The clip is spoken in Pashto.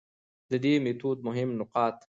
د دې ميتود مهم نقاط: